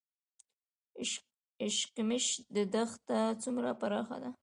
اشکمش دښته څومره پراخه ده؟